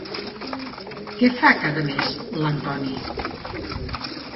Què fa cada mes l'Antoni?